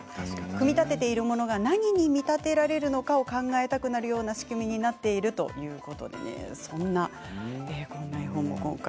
組み立てているものが何に見立てられるのかを考えたくなるような仕組みになっているとのことです。